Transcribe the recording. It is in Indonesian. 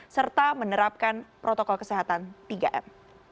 serta menerapkan protokol kesehatan tiga m